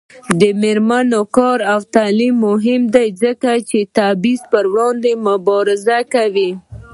د میرمنو کار او تعلیم مهم دی ځکه چې تبعیض پر وړاندې مبارزه کوي.